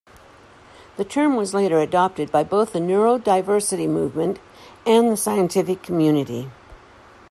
The term was later adopted by both the neurodiversity movement and the scientific community.